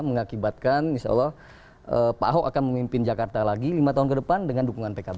mengakibatkan insya allah pak ahok akan memimpin jakarta lagi lima tahun ke depan dengan dukungan pkb